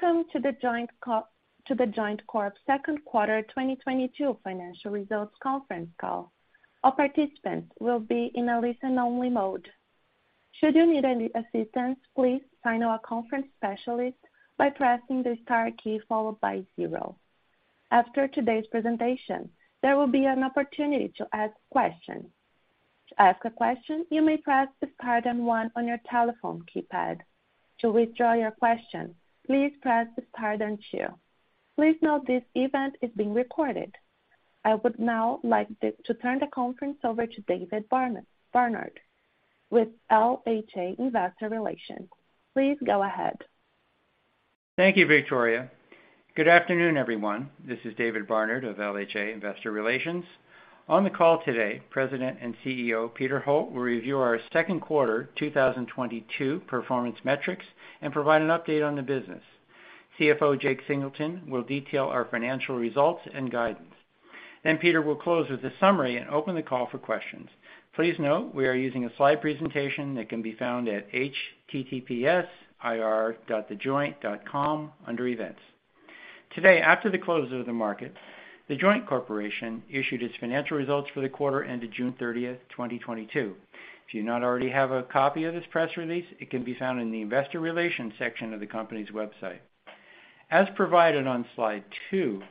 Welcome to The Joint Corp. second quarter 2022 financial results conference call. All participants will be in a listen-only mode. Should you need any assistance, please dial a conference specialist by pressing the star key followed by zero. After today's presentation, there will be an opportunity to ask questions. To ask a question, you may press the star then one on your telephone keypad. To withdraw your question, please press star then two. Please note this event is being recorded. I would now like to turn the conference over to David Barnard with LHA Investor Relations. Please go ahead. Thank you, Victoria. Good afternoon, everyone. This is David Barnard of LHA Investor Relations. On the call today, President and CEO Peter Holt will review our second quarter 2022 performance metrics and provide an update on the business. CFO Jake Singleton will detail our financial results and guidance. Peter will close with a summary and open the call for questions. Please note we are using a slide presentation that can be found at https://ir.thejoint.com under Events. Today, after the close of the market, The Joint Corporation issued its financial results for the quarter ended June 30, 2022. If you do not already have a copy of this press release, it can be found in the investor relations section of the company's website. As provided on slide two,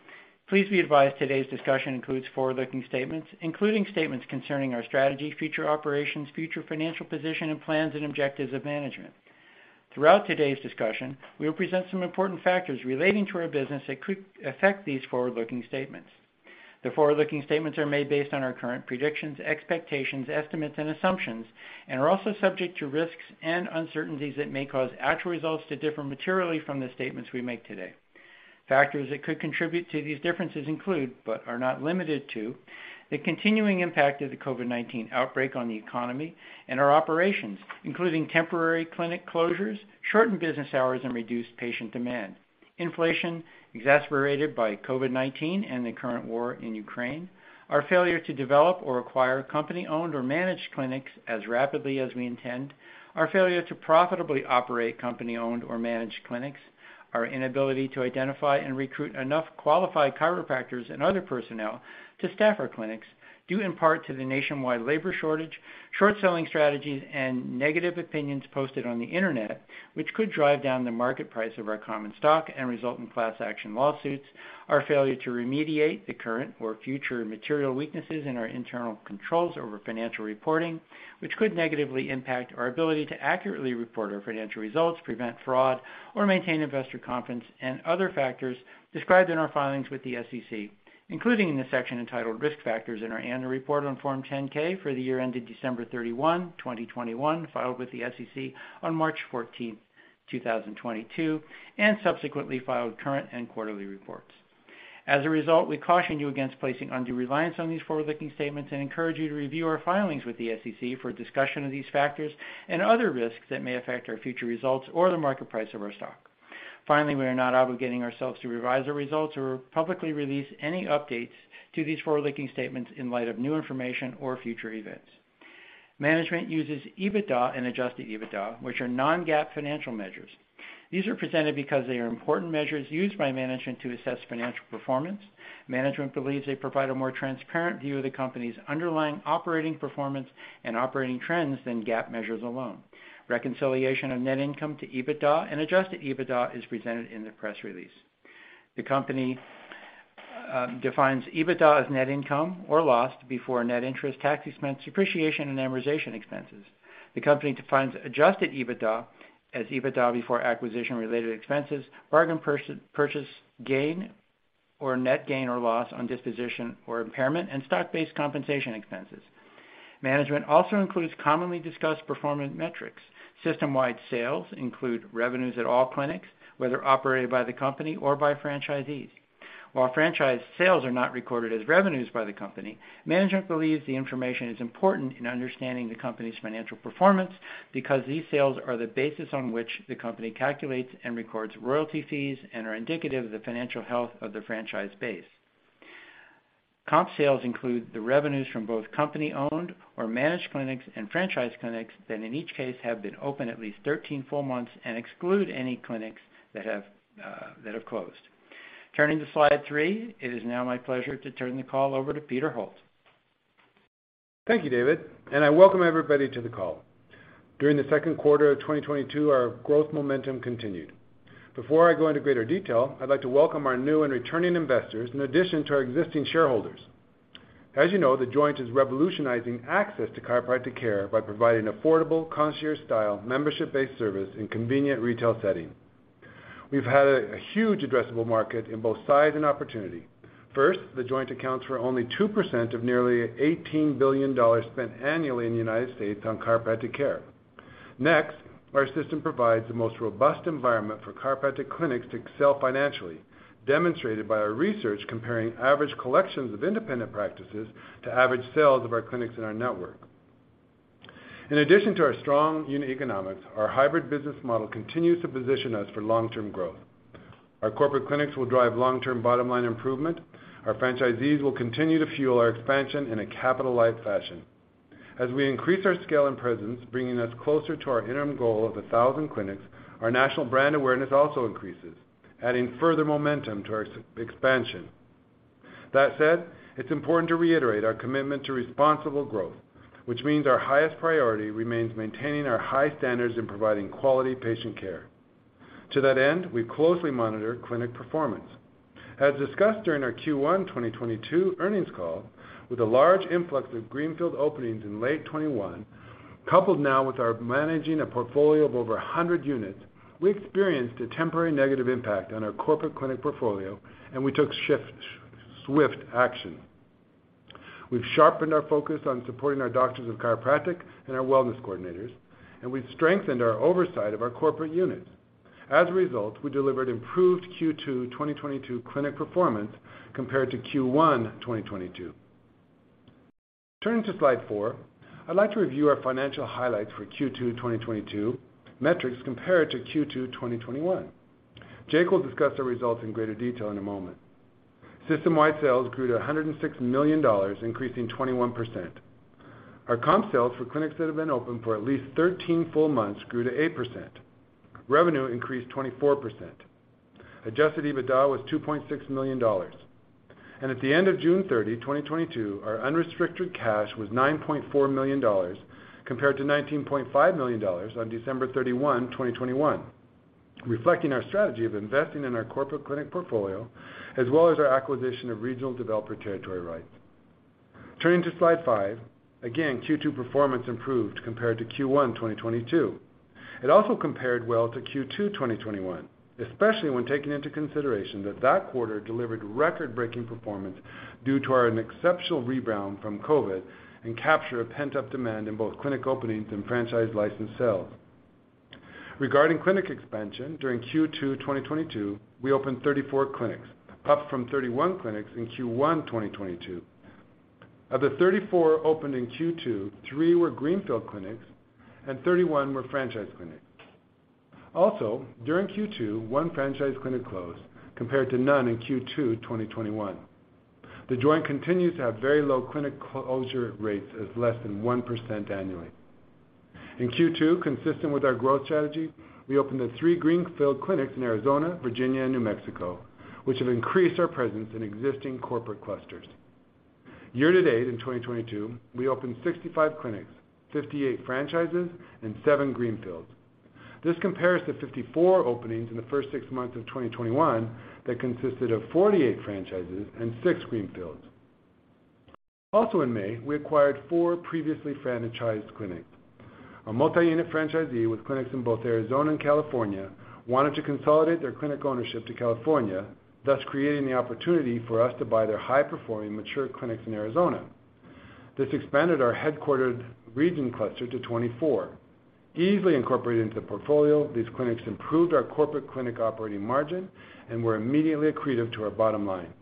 please be advised today's discussion includes forward-looking statements, including statements concerning our strategy, future operations, future financial position, and plans and objectives of management. Throughout today's discussion, we will present some important factors relating to our business that could affect these forward-looking statements. The forward-looking statements are made based on our current predictions, expectations, estimates, and assumptions and are also subject to risks and uncertainties that may cause actual results to differ materially from the statements we make today. Factors that could contribute to these differences include, but are not limited to, the continuing impact of the COVID-19 outbreak on the economy and our operations, including temporary clinic closures, shortened business hours, and reduced patient demand, inflation exacerbated by COVID-19 and the current war in Ukraine, our failure to develop or acquire company-owned or managed clinics as rapidly as we intend, our failure to profitably operate company-owned or managed clinics, our inability to identify and recruit enough qualified chiropractors and other personnel to staff our clinics, due in part to the nationwide labor shortage, short-selling strategies and negative opinions posted on the Internet, which could drive down the market price of our common stock and result in class action lawsuits, our failure to remediate the current or future material weaknesses in our internal controls over financial reporting, which could negatively impact our ability to accurately report our financial results, prevent fraud, or maintain investor confidence, and other factors described in our filings with the SEC, including in the section entitled Risk Factors in our annual report on Form 10-K for the year ended December 31, 2021, filed with the SEC on March 14, 2022, and subsequently filed current and quarterly reports. As a result, we caution you against placing undue reliance on these forward-looking statements and encourage you to review our filings with the SEC for a discussion of these factors and other risks that may affect our future results or the market price of our stock. Finally, we are not obligating ourselves to revise our results or publicly release any updates to these forward-looking statements in light of new information or future events. Management uses EBITDA and adjusted EBITDA, which are non-GAAP financial measures. These are presented because they are important measures used by management to assess financial performance. Management believes they provide a more transparent view of the company's underlying operating performance and operating trends than GAAP measures alone. Reconciliation of net income to EBITDA and adjusted EBITDA is presented in the press release. The company defines EBITDA as net income or loss before net interest, tax expense, depreciation, and amortization expenses. The company defines adjusted EBITDA as EBITDA before acquisition-related expenses, bargain purchase gain or net gain or loss on disposition or impairment, and stock-based compensation expenses. Management also includes commonly discussed performance metrics. System-wide sales include revenues at all clinics, whether operated by the company or by franchisees. While franchise sales are not recorded as revenues by the company, management believes the information is important in understanding the company's financial performance because these sales are the basis on which the company calculates and records royalty fees and are indicative of the financial health of the franchise base. Comp sales include the revenues from both company-owned or managed clinics and franchise clinics that, in each case, have been open at least 13 full months and exclude any clinics that have closed. Turning to slide three, it is now my pleasure to turn the call over to Peter Holt. Thank you, David, and I welcome everybody to the call. During the second quarter of 2022, our growth momentum continued. Before I go into greater detail, I'd like to welcome our new and returning investors in addition to our existing shareholders. As you know, The Joint is revolutionizing access to chiropractic care by providing affordable, concierge-style, membership-based service in convenient retail setting. We've had a huge addressable market in both size and opportunity. First, The Joint accounts for only 2% of nearly $18 billion spent annually in the United States on chiropractic care. Next, our system provides the most robust environment for chiropractic clinics to excel financially, demonstrated by our research comparing average collections of independent practices to average sales of our clinics in our network. In addition to our strong unit economics, our hybrid business model continues to position us for long-term growth. Our corporate clinics will drive long-term bottom-line improvement. Our franchisees will continue to fuel our expansion in a capital-light fashion. As we increase our scale and presence, bringing us closer to our interim goal of 1,000 clinics, our national brand awareness also increases, adding further momentum to our expansion. That said, it's important to reiterate our commitment to responsible growth, which means our highest priority remains maintaining our high standards in providing quality patient care. To that end, we closely monitor clinic performance. As discussed during our Q1 2022 earnings call, with the large influx of greenfield openings in late 2021, coupled now with our managing a portfolio of over 100 units, we experienced a temporary negative impact on our corporate clinic portfolio, and we took swift action. We've sharpened our focus on supporting our doctors of chiropractic and our Wellness coordinators, and we've strengthened our oversight of our corporate units. As a result, we delivered improved Q2 2022 clinic performance compared to Q1 2022. Turning to slide 4, I'd like to review our financial highlights for Q2 2022 metrics compared to Q2 2021. Jake will discuss our results in greater detail in a moment. System-wide sales grew to $106 million, increasing 21%. Our comp sales for clinics that have been open for at least 13 full months grew to 8%. Revenue increased 24%. Adjusted EBITDA was $2.6 million. At the end of June 30, 2022, our unrestricted cash was $9.4 million compared to $19.5 million on December 31, 2021, reflecting our strategy of investing in our corporate clinic portfolio as well as our acquisition of regional developer territory rights. Turning to slide 5, again, Q2 performance improved compared to Q1 2022. It also compared well to Q2 2021, especially when taking into consideration that quarter delivered record-breaking performance due to an exceptional rebound from COVID and capture of pent-up demand in both clinic openings and franchise license sales. Regarding clinic expansion, during Q2 2022, we opened 34 clinics, up from 31 clinics in Q1 2022. Of the 34 opened in Q2, 3three were greenfield clinics and 31 were franchise clinics. Also, during Q2, 1 franchise clinic closed, compared to none in Q2 2021. The Joint continues to have very low clinic closure rates as less than 1% annually. In Q2, consistent with our growth strategy, we opened three greenfield clinics in Arizona, Virginia, and New Mexico, which have increased our presence in existing corporate clusters. Year to date in 2022, we opened 65 clinics, 58 franchises, and 7seven greenfields. This compares to 54 openings in the first six months of 2021 that consisted of 48 franchises and six greenfields. Also in May, we acquired 4 previously franchised clinics. A multi-unit franchisee with clinics in both Arizona and California wanted to consolidate their clinic ownership to California, thus creating the opportunity for us to buy their high-performing mature clinics in Arizona. This expanded our headquartered region cluster to 24. Easily incorporated into the portfolio, these clinics improved our corporate clinic operating margin and were immediately accretive to our bottom line.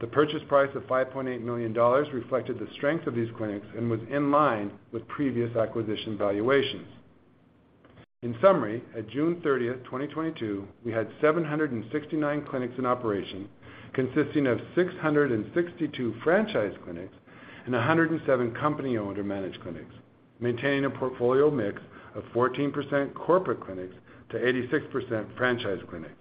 The purchase price of $5.8 million reflected the strength of these clinics and was in line with previous acquisition valuations. In summary, at June 30, 2022, we had 769 clinics in operation consisting of 662 franchise clinics and 107 company-owned or managed clinics, maintaining a portfolio mix of 14% corporate clinics to 86% franchise clinics.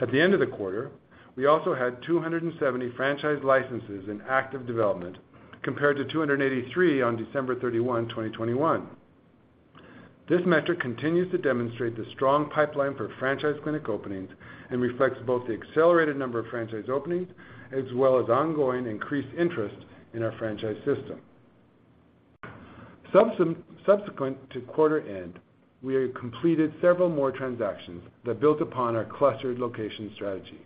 At the end of the quarter, we also had 270 franchise licenses in active development compared to 283 on December 31, 2021. This metric continues to demonstrate the strong pipeline for franchise clinic openings and reflects both the accelerated number of franchise openings as well as ongoing increased interest in our franchise system. Subsequent to quarter end, we have completed several more transactions that built upon our clustered location strategy.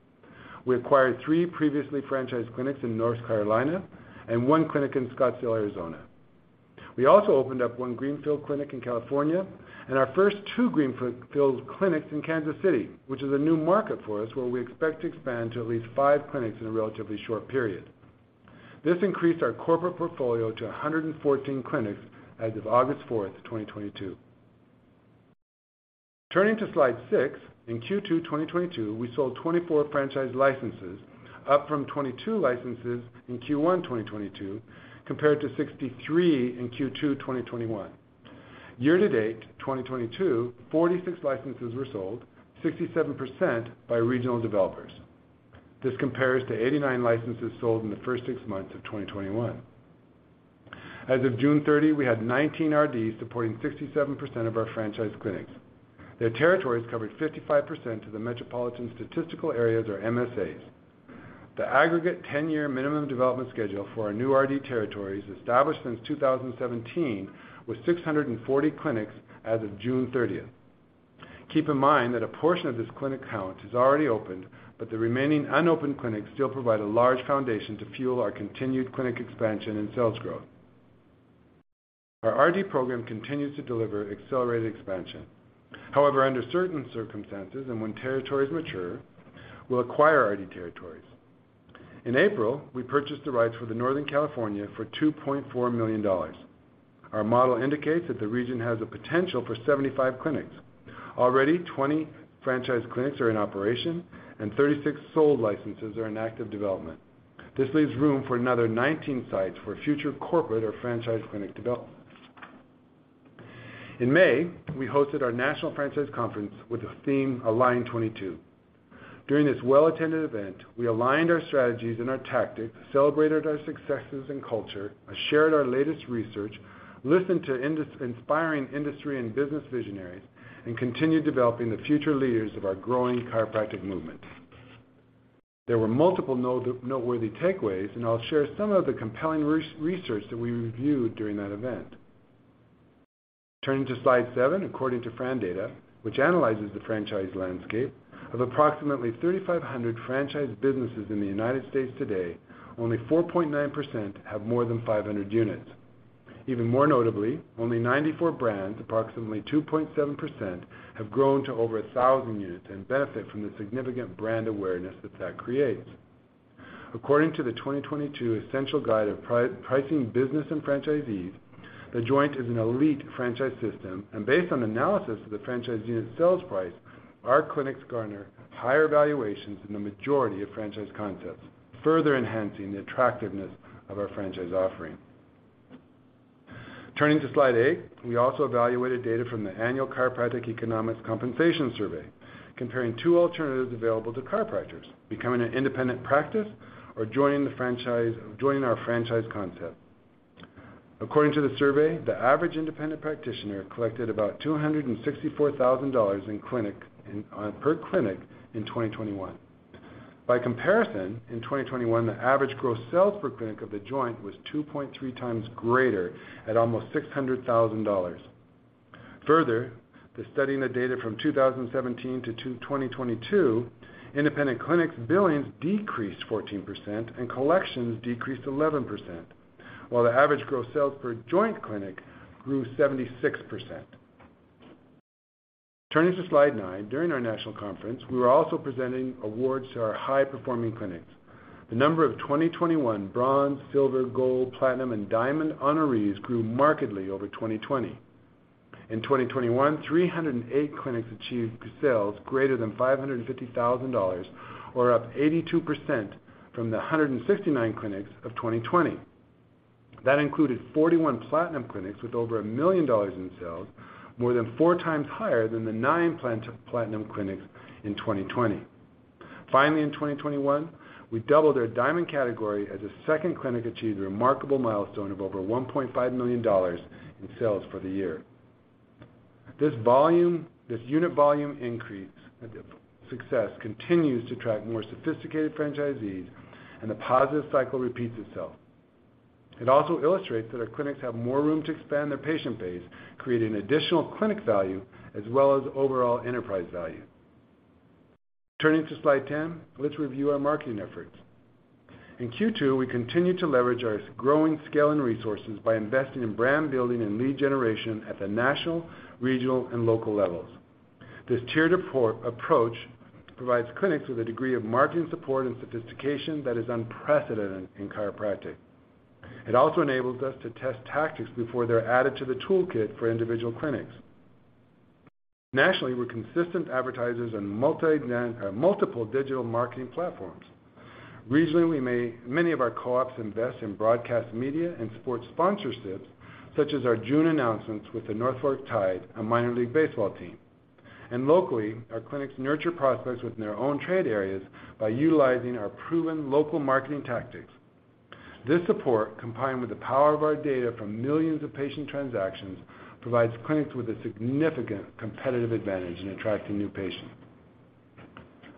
We acquired three previously franchised clinics in North Carolina and 1 clinic in Scottsdale, Arizona. We also opened up one greenfield clinic in California and our first two greenfield clinics in Kansas City, which is a new market for us, where we expect to expand to at least five clinics in a relatively short period. This increased our corporate portfolio to 114 clinics as of August 4, 2022. Turning to slide six, in Q2 2022, we sold 24 franchise licenses, up from 22 licenses in Q1 2022, compared to 63 in Q2 2021. Year to date, 2022, 46 licenses were sold, 67% by regional developers. This compares to 89 licenses sold in the first six months of 2021. As of June 30, we had 19 RDs supporting 67% of our franchise clinics. Their territories covered 55% of the metropolitan statistical areas or MSAs. The aggregate ten-year minimum development schedule for our new RD territories established since 2017 was 640 clinics as of June 30. Keep in mind that a portion of this clinic count is already opened, but the remaining unopened clinics still provide a large foundation to fuel our continued clinic expansion and sales growth. Our RD program continues to deliver accelerated expansion. However, under certain circumstances and when territories mature, we'll acquire RD territories. In April, we purchased the rights for Northern California for $2.4 million. Our model indicates that the region has a potential for 75 clinics. Already, 20 franchise clinics are in operation, and 36 sold licenses are in active development. This leaves room for another 19 sites for future corporate or franchise clinic development. In May, we hosted our national franchise conference with the theme Align '22. During this well-attended event, we aligned our strategies and our tactics, celebrated our successes and culture, shared our latest research, listened to inspiring industry and business visionaries, and continued developing the future leaders of our growing chiropractic movement. There were multiple noteworthy takeaways, and I'll share some of the compelling research that we reviewed during that event. Turning to slide seven. According to FRANdata, which analyzes the franchise landscape, of approximately 3,500 franchise businesses in the United States today, only 4.9% have more than 500 units. Even more notably, only 94 brands, approximately 2.7%, have grown to over 1,000 units and benefit from the significant brand awareness that creates. According to the 2022 Essential Guide to Pricing Businesses and Franchises, The Joint is an elite franchise system, and based on analysis of the franchise unit sales price, our clinics garner higher valuations than the majority of franchise concepts, further enhancing the attractiveness of our franchise offering. Turning to slide eight. We also evaluated data from the annual Chiropractic Economics Compensation Survey, comparing two alternatives available to chiropractors, becoming an independent practice or joining our franchise concept. According to the survey, the average independent practitioner collected about $264,000 per clinic in 2021. By comparison, in 2021, the average gross sales per clinic of The Joint was 2.3 times greater at almost $600,000. Further, the study in the data from 2017 to 2022, independent clinics' billings decreased 14% and collections decreased 11%, while the average gross sales per Joint clinic grew 76%. Turning to slide nine. During our national conference, we were also presenting awards to our high-performing clinics. The number of 2021 bronze, silver, gold, platinum, and diamond honorees grew markedly over 2020. In 2021, 308 clinics achieved sales greater than $550,000 or up 82% from the 169 clinics of 2020. That included 41 platinum clinics with over $1 million in sales, more than four times higher than the nine platinum clinics in 2020. Finally, in 2021, we doubled our diamond category as a second clinic achieved a remarkable milestone of over $1.5 million in sales for the year. This unit volume increase success continues to attract more sophisticated franchisees and the positive cycle repeats itself. It also illustrates that our clinics have more room to expand their patient base, creating additional clinic value as well as overall enterprise value. Turning to slide ten, let's review our marketing efforts. In Q2, we continued to leverage our growing scale and resources by investing in brand building and lead generation at the national, regional, and local levels. This tiered approach provides clinics with a degree of marketing support and sophistication that is unprecedented in chiropractic. It also enables us to test tactics before they're added to the toolkit for individual clinics. Nationally, we're consistent advertisers on multiple digital marketing platforms. Regionally, we made many of our co-ops invest in broadcast media and support sponsorships, such as our June announcements with the Norfolk Tides, a minor league baseball team. Locally, our clinics nurture prospects within their own trade areas by utilizing our proven local marketing tactics. This support, combined with the power of our data from millions of patient transactions, provides clinics with a significant competitive advantage in attracting new patients.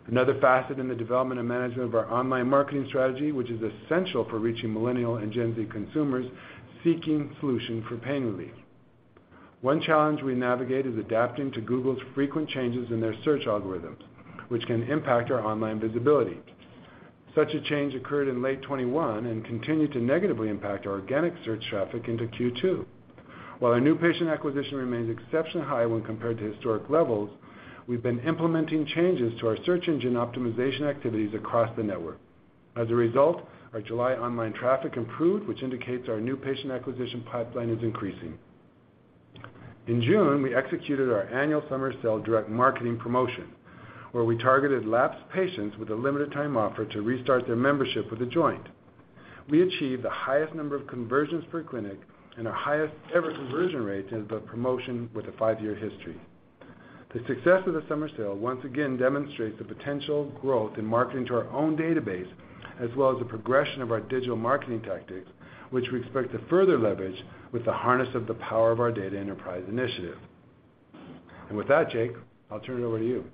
Another facet in the development and management of our online marketing strategy, which is essential for reaching Millennial and Gen Z consumers seeking solution for pain relief. One challenge we navigate is adapting to Google's frequent changes in their search algorithms, which can impact our online visibility. Such a change occurred in late 2021 and continued to negatively impact our organic search traffic into Q2. While our new patient acquisition remains exceptionally high when compared to historic levels, we've been implementing changes to our search engine optimization activities across the network. As a result, our July online traffic improved, which indicates our new patient acquisition pipeline is increasing. In June, we executed our annual summer sale direct marketing promotion, where we targeted lapsed patients with a limited time offer to restart their membership with The Joint. We achieved the highest number of conversions per clinic and our highest ever conversion rate as the promotion with a five-year history. The success of the summer sale once again demonstrates the potential growth in marketing to our own database as well as the progression of our digital marketing tactics, which we expect to further leverage with the harness of the power of our data enterprise initiative. With that, Jake, I'll turn it over to you.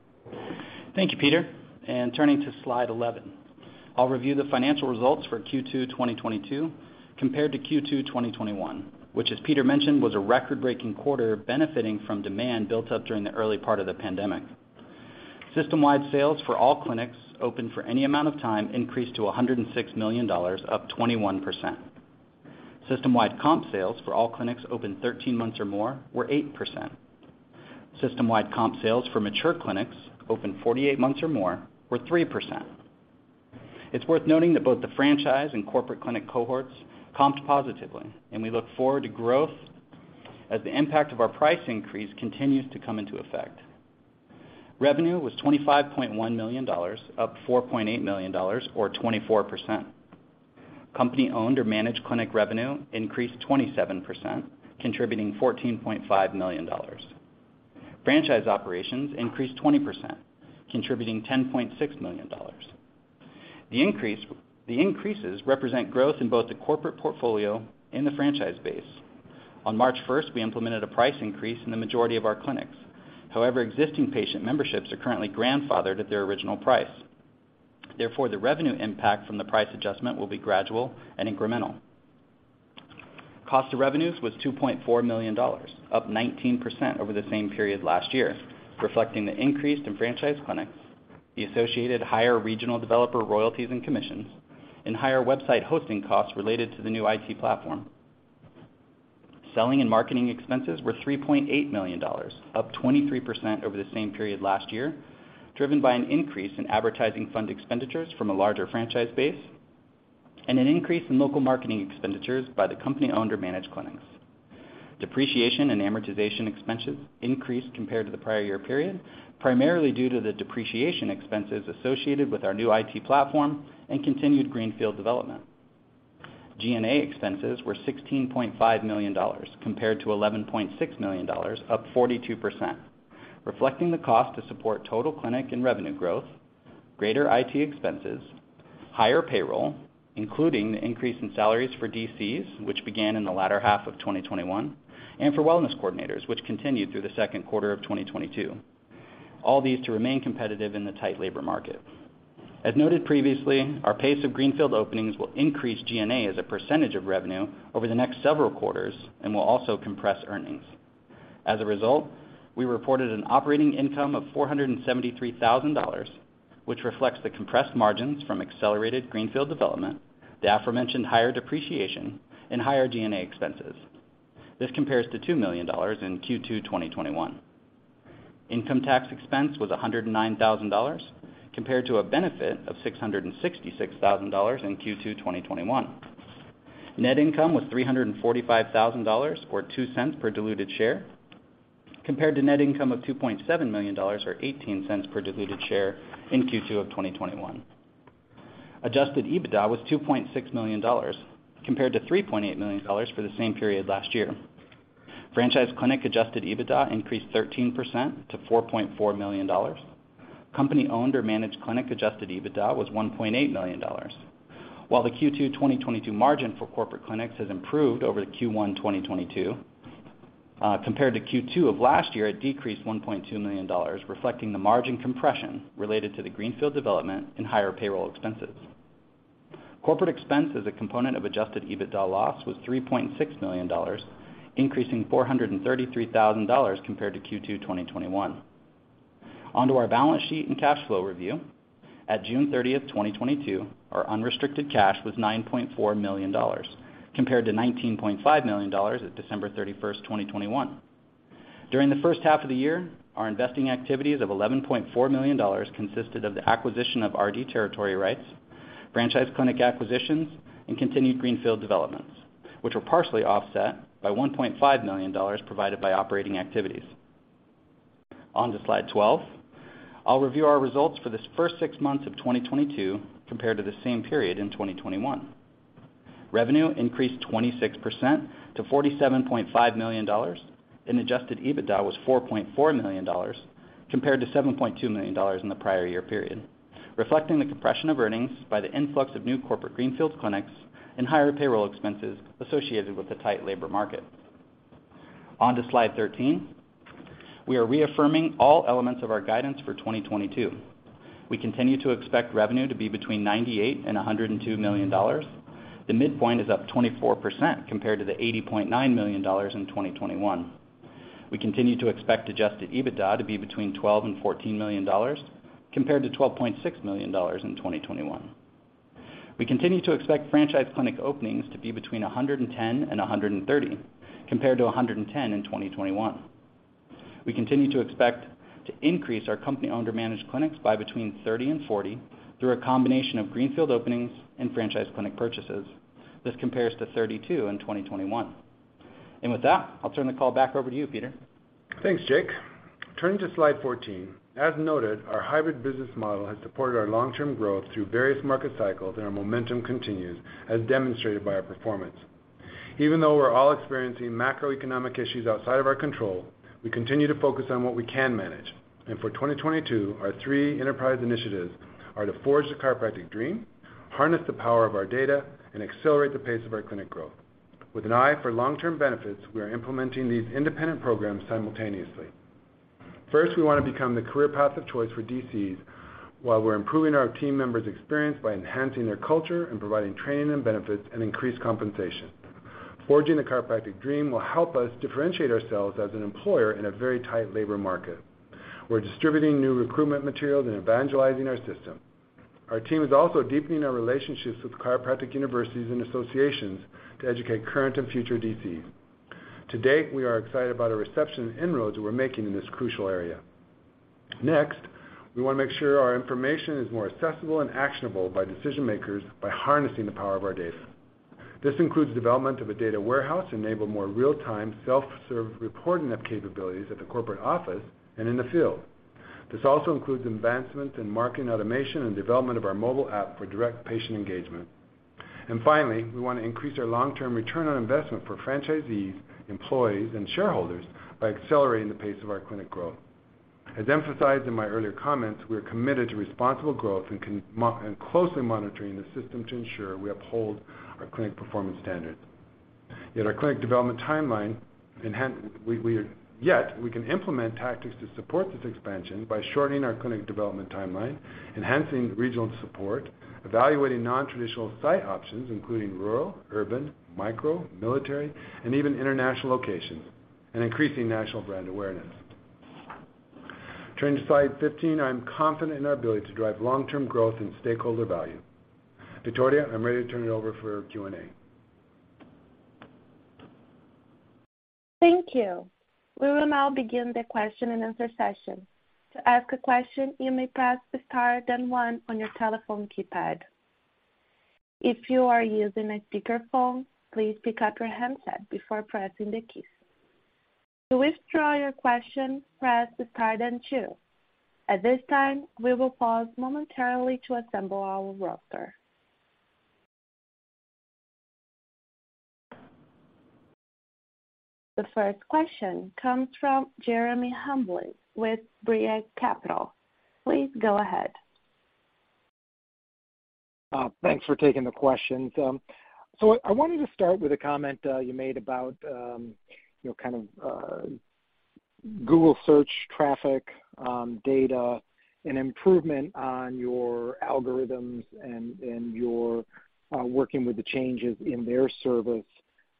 Thank you, Peter. Turning to slide eleven. I'll review the financial results for Q2 2022 compared to Q2 2021, which as Peter mentioned, was a record-breaking quarter benefiting from demand built up during the early part of the pandemic. System-wide sales for all clinics open for any amount of time increased to $106 million, up 21%. System-wide comp sales for all clinics open 13 months or more were 8%. System-wide comp sales for mature clinics open 48 months or more were 3%. It's worth noting that both the franchise and corporate clinic cohorts comped positively, and we look forward to growth as the impact of our price increase continues to come into effect. Revenue was $25.1 million, up $4.8 million or 24%. Company-owned or managed clinic revenue increased 27%, contributing $14.5 million. Franchise operations increased 20%, contributing $10.6 million. The increases represent growth in both the corporate portfolio and the franchise base. On March first, we implemented a price increase in the majority of our clinics. However, existing patient memberships are currently grandfathered at their original price. Therefore, the revenue impact from the price adjustment will be gradual and incremental. Cost of revenues was $2.4 million, up 19% over the same period last year, reflecting the increase in franchise clinics, the associated higher regional developer royalties and commissions, and higher website hosting costs related to the new IT platform. Selling and marketing expenses were $3.8 million, up 23% over the same period last year, driven by an increase in advertising fund expenditures from a larger franchise base and an increase in local marketing expenditures by the company-owned or managed clinics. Depreciation and amortization expenses increased compared to the prior year period, primarily due to the depreciation expenses associated with our new IT platform and continued greenfield development. G&A expenses were $16.5 million compared to $11.6 million, up 42%, reflecting the cost to support total clinic and revenue growth, greater IT expenses, higher payroll, including the increase in salaries for DCs, which began in the latter half of 2021, and for Wellness Coordinators, which continued through the second quarter of 2022, all these to remain competitive in the tight labor market. As noted previously, our pace of greenfield openings will increase G&A as a percentage of revenue over the next several quarters and will also compress earnings. As a result, we reported an operating income of $473 thousand, which reflects the compressed margins from accelerated greenfield development, the aforementioned higher depreciation, and higher G&A expenses. This compares to $2 million in Q2 2021. Income tax expense was $109 thousand compared to a benefit of $666 thousand in Q2 2021. Net income was $345 thousand or $0.02 per diluted share compared to net income of $2.7 million or $0.18 per diluted share in Q2 of 2021. Adjusted EBITDA was $2.6 million compared to $3.8 million for the same period last year. Franchise clinic Adjusted EBITDA increased 13% to $4.4 million. Company-owned or managed clinic Adjusted EBITDA was $1.8 million. While the Q2 2022 margin for corporate clinics has improved over the Q1 2022, compared to Q2 of last year, it decreased $1.2 million, reflecting the margin compression related to the greenfield development and higher payroll expenses. Corporate expense as a component of Adjusted EBITDA loss was $3.6 million, increasing $433,000 compared to Q2 2021. On to our balance sheet and cash flow review. At June 30, 2022, our unrestricted cash was $9.4 million compared to $19.5 million at December 31, 2021. During the first half of the year, our investing activities of $11.4 million consisted of the acquisition of RD territory rights, franchise clinic acquisitions, and continued greenfield developments, which were partially offset by $1.5 million provided by operating activities. On to slide 12. I'll review our results for this first 6 months of 2022 compared to the same period in 2021. Revenue increased 26% to $47.5 million, and Adjusted EBITDA was $4.4 million compared to $7.2 million in the prior year period, reflecting the compression of earnings by the influx of new corporate greenfield clinics and higher payroll expenses associated with the tight labor market. On to slide 13. We are reaffirming all elements of our guidance for 2022. We continue to expect revenue to be between $98 million and $102 million. The midpoint is up 24% compared to the $80.9 million in 2021. We continue to expect adjusted EBITDA to be between $12 million and $14 million compared to $12.6 million in 2021. We continue to expect franchise clinic openings to be between 110 and 130 compared to 110 in 2021. We continue to expect to increase our company-owned or managed clinics by between 30 and 40 through a combination of greenfield openings and franchise clinic purchases. This compares to 32 in 2021. With that, I'll turn the call back over to you, Peter. Thanks, Jake. Turning to slide 14. As noted, our hybrid business model has supported our long-term growth through various market cycles, and our momentum continues as demonstrated by our performance. Even though we're all experiencing macroeconomic issues outside of our control, we continue to focus on what we can manage. For 2022, our three enterprise initiatives are to forge the chiropractic dream, harness the power of our data, and accelerate the pace of our clinic growth. With an eye for long-term benefits, we are implementing these independent programs simultaneously. First, we wanna become the career path of choice for DCs while we're improving our team members' experience by enhancing their culture and providing training and benefits and increased compensation. Forging the chiropractic dream will help us differentiate ourselves as an employer in a very tight labor market. We're distributing new recruitment materials and evangelizing our system. Our team is also deepening our relationships with chiropractic universities and associations to educate current and future DCs. To date, we are excited about the reception inroads we're making in this crucial area. Next, we wanna make sure our information is more accessible and actionable by decision-makers by harnessing the power of our data. This includes development of a data warehouse to enable more real-time, self-serve reporting of capabilities at the corporate office and in the field. This also includes advancement in marketing automation and development of our mobile app for direct patient engagement. Finally, we wanna increase our long-term return on investment for franchisees, employees, and shareholders by accelerating the pace of our clinic growth. As emphasized in my earlier comments, we are committed to responsible growth and closely monitoring the system to ensure we uphold our clinic performance standards. We can implement tactics to support this expansion by shortening our clinic development timeline, enhancing regional support, evaluating nontraditional site options, including rural, urban, micro, military, and even international locations, and increasing national brand awareness. Turning to slide 15, I'm confident in our ability to drive long-term growth and stakeholder value. Victoria, I'm ready to turn it over for Q&A. Thank you. We will now begin the question-and-answer session. To ask a question, you may press star then one on your telephone keypad. If you are using a speakerphone, please pick up your handset before pressing the keys. To withdraw your question, press star then two. At this time, we will pause momentarily to assemble our roster. The first question comes from Jeremy Hamblin with Craig-Hallum Capital Group. Please go ahead. Thanks for taking the questions. I wanted to start with a comment you made about you know kind of Google Search traffic data and improvement on your algorithms and your working with the changes in their service.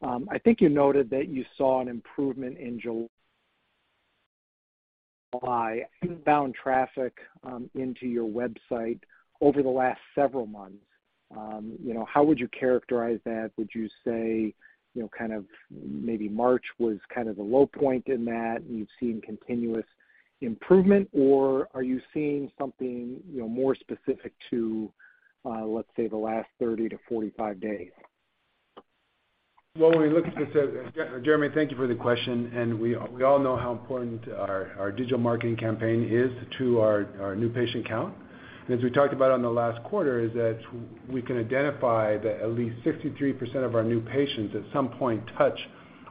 I think you noted that you saw an improvement in July inbound traffic into your website over the last several months. You know, how would you characterize that? Would you say, you know, kind of maybe March was kind of the low point in that, and you've seen continuous improvement, or are you seeing something, you know, more specific to let's say the last 30-45 days? Well, when we look at this, Jeremy, thank you for the question, and we all know how important our digital marketing campaign is to our new patient count. As we talked about on the last quarter, is that we can identify that at least 63% of our new patients at some point touch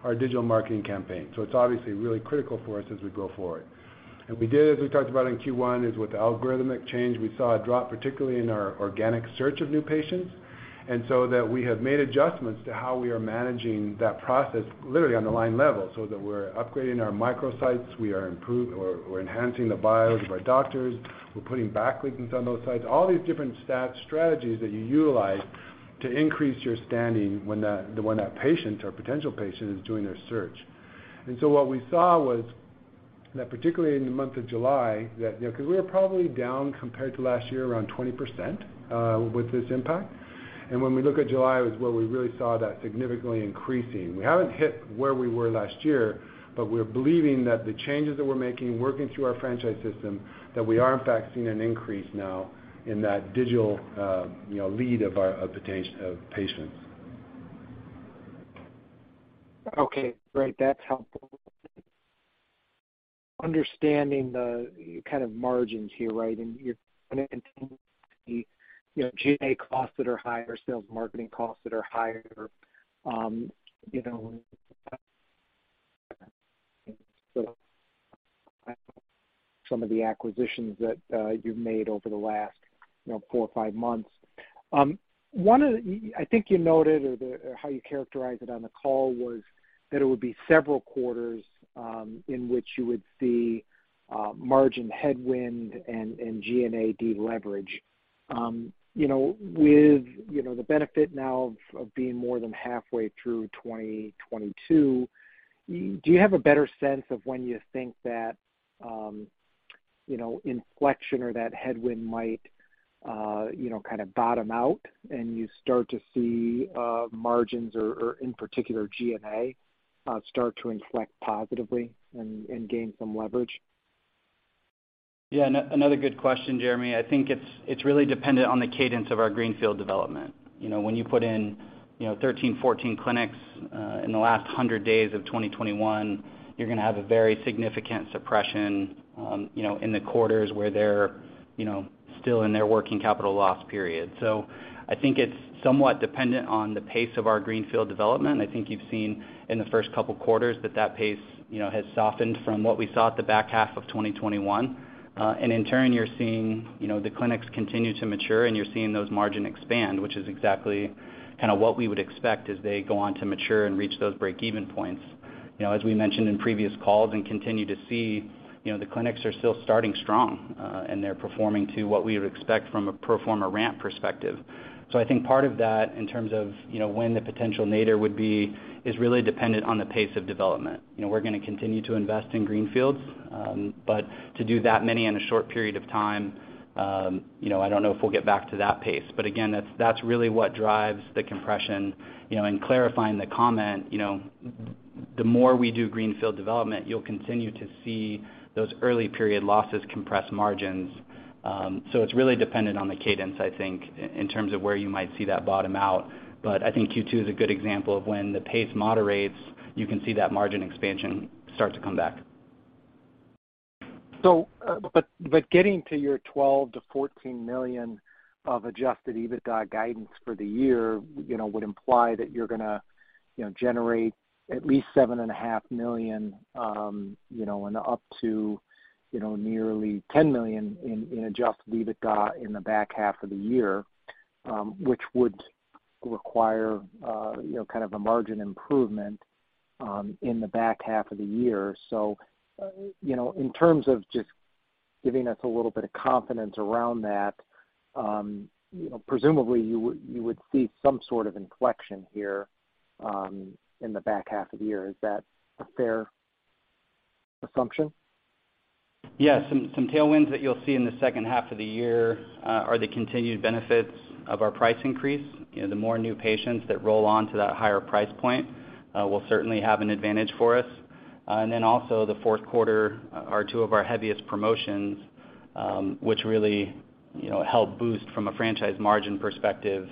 our digital marketing campaign. It's obviously really critical for us as we go forward. We did, as we talked about in Q1, is with the algorithmic change, we saw a drop, particularly in our organic search of new patients. We have made adjustments to how we are managing that process literally on the line level, so that we're upgrading our microsites. We're enhancing the bios of our doctors. We're putting back links on those sites. All these different SEO strategies that you utilize to increase your standing when that patient or potential patient is doing their search. What we saw was that, particularly in the month of July, you know, 'cause we were probably down compared to last year, around 20%, with this impact. When we look at July was where we really saw that significantly increasing. We haven't hit where we were last year, but we're believing that the changes that we're making, working through our franchise system, that we are in fact seeing an increase now in that digital, you know, lead of our potential patients. Okay, great. That's helpful. Understanding the kind of margins here, right? You're gonna continue to see, you know, G&A costs that are higher, sales and marketing costs that are higher. You know, some of the acquisitions that you've made over the last, you know, four or five months. I think you noted or how you characterized it on the call was that it would be several quarters in which you would see margin headwind and G&A deleverage. You know, with you know, the benefit now of being more than halfway through 2022, do you have a better sense of when you think that you know, inflection or that headwind might you know, kind of bottom out and you start to see margins or in particular G&A start to inflect positively and gain some leverage? Yeah, another good question, Jeremy. I think it's really dependent on the cadence of our greenfield development. You know, when you put in, you know, 13, 14 clinics in the last 100 days of 2021, you're gonna have a very significant suppression, you know, in the quarters where they're, you know, still in their working capital loss period. I think it's somewhat dependent on the pace of our greenfield development. I think you've seen in the first couple quarters that that pace, you know, has softened from what we saw at the back half of 2021. In turn, you're seeing, you know, the clinics continue to mature, and you're seeing those margins expand, which is exactly kinda what we would expect as they go on to mature and reach those break-even points. You know, as we mentioned in previous calls and continue to see, you know, the clinics are still starting strong, and they're performing to what we would expect from a pro forma ramp perspective. I think part of that in terms of, you know, when the potential nadir would be, is really dependent on the pace of development. You know, we're gonna continue to invest in greenfields, but to do that many in a short period of time, you know, I don't know if we'll get back to that pace. Again, that's really what drives the compression. You know, in clarifying the comment, you know. The more we do greenfield development, you'll continue to see those early period losses compress margins. It's really dependent on the cadence, I think, in terms of where you might see that bottom out. I think Q2 is a good example of when the pace moderates, you can see that margin expansion start to come back. Getting to your $12 million-$14 million of Adjusted EBITDA guidance for the year, you know, would imply that you're gonna, you know, generate at least $7.5 million, you know, and up to, you know, nearly $10 million in Adjusted EBITDA in the back half of the year, which would require, you know, kind of a margin improvement in the back half of the year. You know, in terms of just giving us a little bit of confidence around that, you know, presumably you would see some sort of inflection here in the back half of the year. Is that a fair assumption? Yes. Some tailwinds that you'll see in the second half of the year are the continued benefits of our price increase. You know, the more new patients that roll on to that higher price point will certainly have an advantage for us. Then also the fourth quarter are two of our heaviest promotions, which really, you know, help boost from a franchise margin perspective,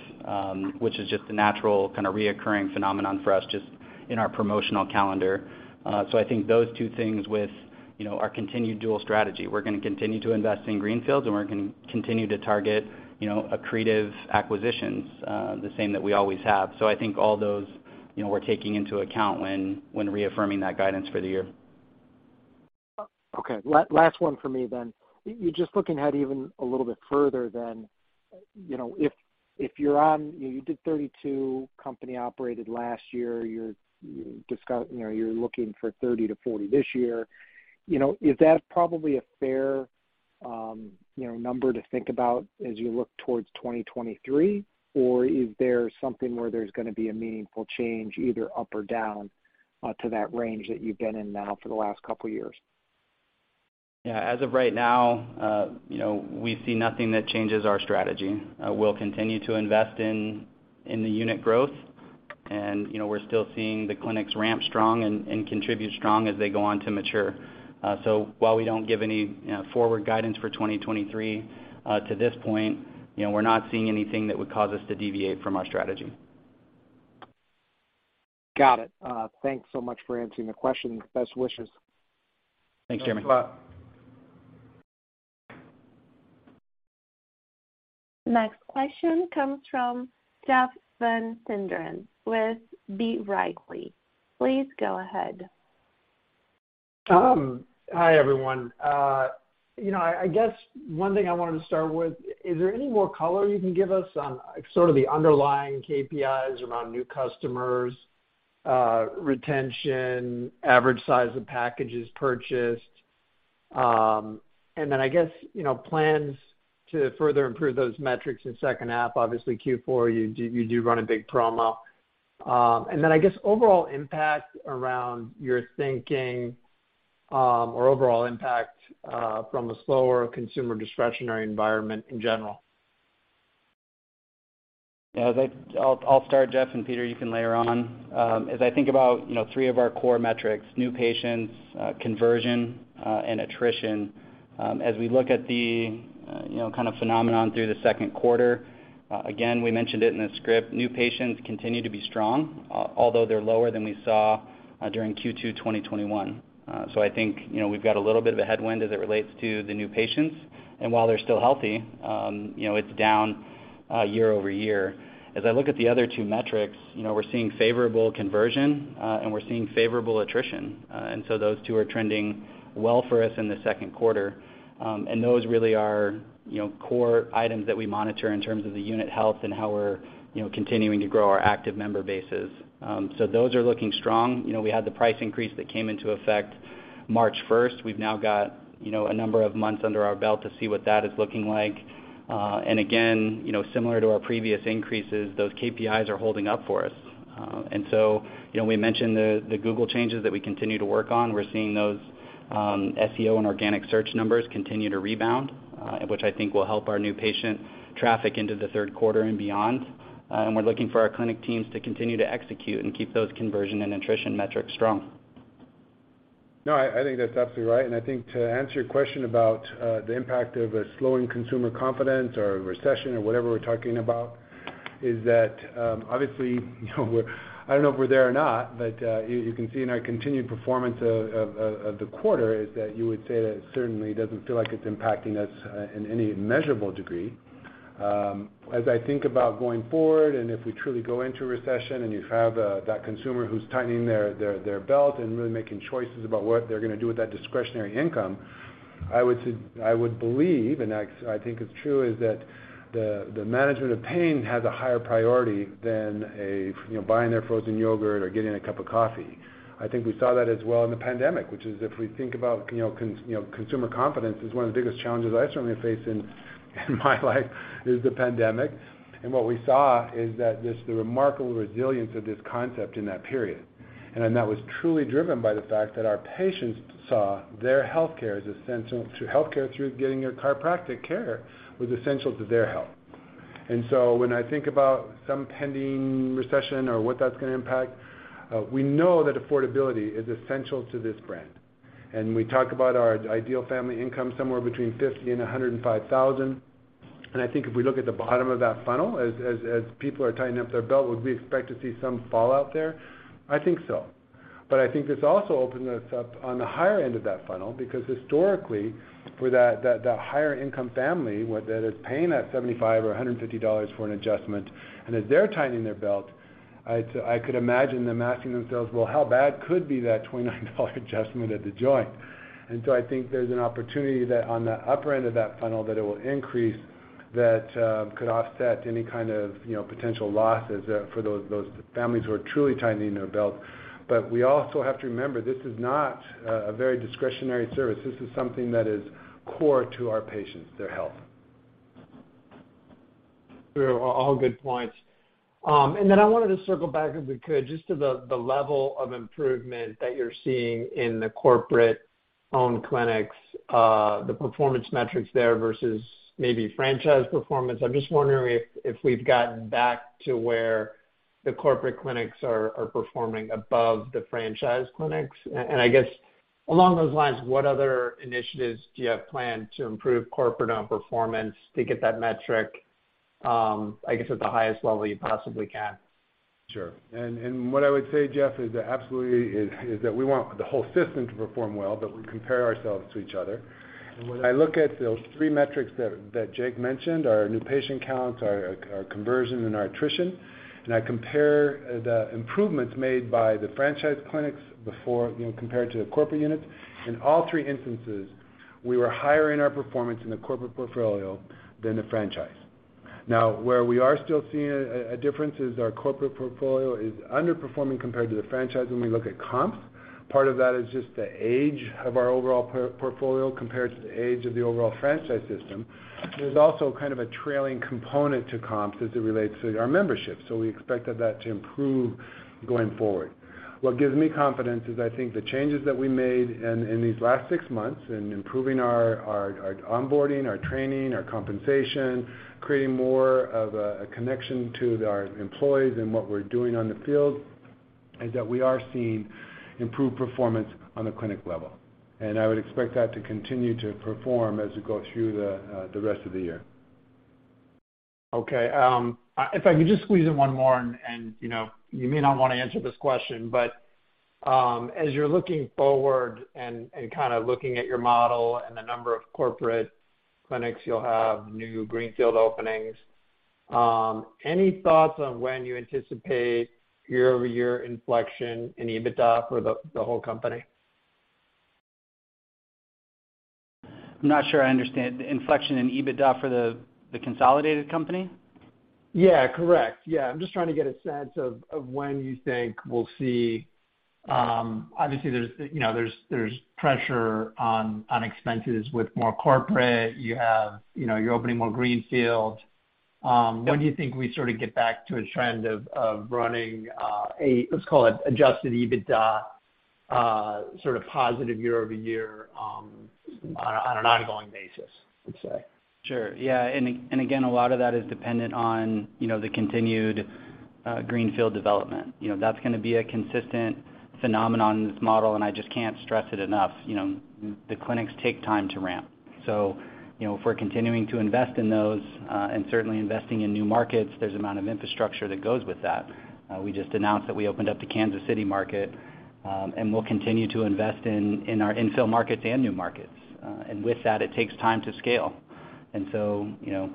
which is just a natural kind of recurring phenomenon for us just in our promotional calendar. I think those two things with, you know, our continued dual strategy. We're gonna continue to invest in greenfields, and we're gonna continue to target, you know, accretive acquisitions, the same that we always have. I think all those, you know, we're taking into account when reaffirming that guidance for the year. Okay. Last one for me then. You're just looking ahead even a little bit further than you know. You did 32 company-operated last year. You know, you're looking for 30-40 this year. You know, is that probably a fair, you know, number to think about as you look towards 2023? Or is there something where there's gonna be a meaningful change either up or down to that range that you've been in now for the last couple years? Yeah. As of right now, you know, we see nothing that changes our strategy. We'll continue to invest in the unit growth and, you know, we're still seeing the clinics ramp strong and contribute strong as they go on to mature. While we don't give any, you know, forward guidance for 2023, to this point, you know, we're not seeing anything that would cause us to deviate from our strategy. Got it. Thanks so much for answering the question. Best wishes. Thanks, Jeremy. Thanks a lot. Next question comes from Jeff Van Sinderen with B. Riley. Please go ahead. Hi, everyone. You know, I guess one thing I wanted to start with, is there any more color you can give us on sort of the underlying KPIs around new customers, retention, average size of packages purchased? Then I guess, you know, plans to further improve those metrics in second half. Obviously Q4, you do run a big promo. Then I guess overall impact around your thinking, or overall impact, from a slower consumer discretionary environment in general. Yeah. I think I'll start, Jeff, and Peter you can layer on. As I think about, you know, three of our core metrics, new patients, conversion, and attrition, as we look at the, you know, kind of phenomenon through the second quarter, again, we mentioned it in the script, new patients continue to be strong, although they're lower than we saw during Q2 2021. I think, you know, we've got a little bit of a headwind as it relates to the new patients. While they're still healthy, you know, it's down year-over-year. As I look at the other two metrics, you know, we're seeing favorable conversion, and we're seeing favorable attrition. Those two are trending well for us in the second quarter. Those really are, you know, core items that we monitor in terms of the unit health and how we're, you know, continuing to grow our active member bases. Those are looking strong. You know, we had the price increase that came into effect March first. We've now got, you know, a number of months under our belt to see what that is looking like. Again, you know, similar to our previous increases, those KPIs are holding up for us. You know, we mentioned the Google changes that we continue to work on. We're seeing those SEO and organic search numbers continue to rebound, which I think will help our new patient traffic into the third quarter and beyond. We're looking for our clinic teams to continue to execute and keep those conversion and attrition metrics strong. No, I think that's absolutely right. I think to answer your question about the impact of a slowing consumer confidence or a recession or whatever we're talking about is that obviously, you know, I don't know if we're there or not, but you can see in our continued performance of the quarter is that you would say that it certainly doesn't feel like it's impacting us in any measurable degree. As I think about going forward and if we truly go into recession and you have that consumer who's tightening their belt and really making choices about what they're gonna do with that discretionary income, I would believe, and I think it's true, is that the management of pain has a higher priority than, you know, buying their frozen yogurt or getting a cup of coffee. I think we saw that as well in the pandemic, which is if we think about, you know, consumer confidence is one of the biggest challenges I certainly have faced in my life is the pandemic. What we saw is that just the remarkable resilience of this concept in that period, and then that was truly driven by the fact that our patients saw their healthcare is essential to healthcare through getting your chiropractic care was essential to their health. When I think about some pending recession or what that's gonna impact, we know that affordability is essential to this brand. We talk about our ideal family income somewhere between 50 and 105,000. I think if we look at the bottom of that funnel, as people are tightening up their belt, would we expect to see some fallout there? I think so. I think this also opens us up on the higher end of that funnel because historically, for that higher income family that is paying that $75 or $150 for an adjustment, and as they're tightening their belt, I could imagine them asking themselves, "Well, how bad could be that $29 adjustment at The Joint?" And so I think there's an opportunity that on the upper end of that funnel that it will increase, that could offset any kind of, you know, potential losses, for those families who are truly tightening their belt. We also have to remember, this is not a very discretionary service. This is something that is core to our patients, their health. Sure. All good points. I wanted to circle back, if we could, just to the level of improvement that you're seeing in the corporate-owned clinics, the performance metrics there versus maybe franchise performance. I'm just wondering if we've gotten back to where the corporate clinics are performing above the franchise clinics. I guess along those lines, what other initiatives do you have planned to improve corporate-owned performance to get that metric at the highest level you possibly can? Sure. What I would say, Jeff, is that absolutely is that we want the whole system to perform well, that we compare ourselves to each other. When I look at those three metrics that Jake mentioned, our new patient counts, our conversion and our attrition, and I compare the improvements made by the franchise clinics before, you know, compared to the corporate units, in all three instances, we were higher in our performance in the corporate portfolio than the franchise. Now, where we are still seeing a difference is our corporate portfolio is underperforming compared to the franchise when we look at comps. Part of that is just the age of our overall portfolio compared to the age of the overall franchise system. There's also kind of a trailing component to comps as it relates to our membership, so we expected that to improve going forward. What gives me confidence is I think the changes that we made in these last six months in improving our onboarding, our training, our compensation, creating more of a connection to our employees and what we're doing on the field, is that we are seeing improved performance on the clinic level. I would expect that to continue to perform as we go through the rest of the year. Okay. If I could just squeeze in one more and, you know, you may not wanna answer this question, but, as you're looking forward and kinda looking at your model and the number of corporate clinics you'll have, new greenfield openings, any thoughts on when you anticipate year-over-year inflection in EBITDA for the whole company? I'm not sure I understand. The inflection in EBITDA for the consolidated company? Yeah, correct. Yeah. I'm just trying to get a sense of when you think we'll see. Obviously, there's, you know, pressure on expenses with more corporate. You have, you know, you're opening more greenfield. When do you think we sort of get back to a trend of running a, let's call it Adjusted EBITDA sort of positive year-over-year on an ongoing basis, I'd say? Sure. Yeah. Again, a lot of that is dependent on, you know, the continued greenfield development. You know, that's gonna be a consistent phenomenon model, and I just can't stress it enough. You know, the clinics take time to ramp. You know, if we're continuing to invest in those, and certainly investing in new markets, there's amount of infrastructure that goes with that. We just announced that we opened up the Kansas City market, and we'll continue to invest in our infill markets and new markets. With that, it takes time to scale. You know,